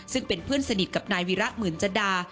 ซึ่งเป็นเพื่อนสนิทกับนายวีระหมื่นจดา